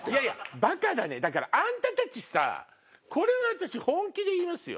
バカだねだからあんたたちさぁこれは私本気で言いますよ。